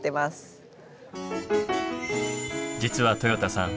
実はとよたさん